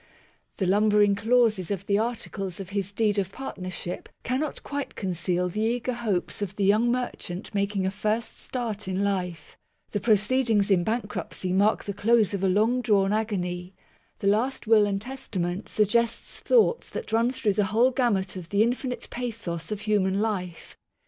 The lumbering clauses of the Articles of his Deed of Partnership cannot quite conceal the eager hopes of the young merchant making a first start in life; the Proceed ings in Bankruptcy mark the close of a long drawn agony ; the Last Will and Testament suggests thoughts that run through the whole gamut of the i 4 MAGNA CARTA (1215 1915) infinite pathos of human life.